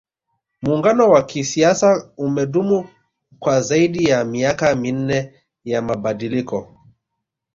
muungano wa kisiasa umedumu kwa zaidi ya miaka minne ya mabadiliko